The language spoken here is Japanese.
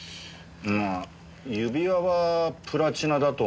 まあ指輪はプラチナだと思うけど。